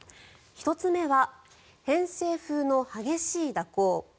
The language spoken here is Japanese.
１つ目は偏西風の激しい蛇行。